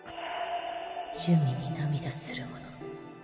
「珠魅に涙する者